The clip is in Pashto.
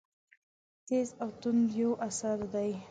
تېز او توند یو اثر دی.